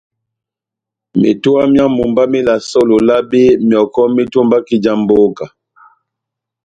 Metowa myá mumba melasɛ ó Lolabe, myɔkɔ metombaki já mbóka.